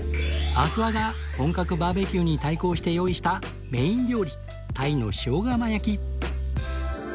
阿諏訪が本格バーベキューに対抗して用意したメイン料理鯛の塩釜焼き